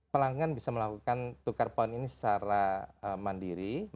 pelanggan bisa melakukan tukar poin ini secara mandiri